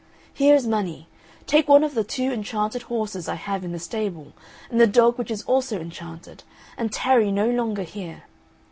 Here is money. Take one of the two enchanted horses I have in the stable, and the dog which is also enchanted, and tarry no longer here.